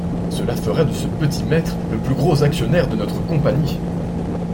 Cela ferait de ce petit maître le plus gros actionnaire de notre Compagnie.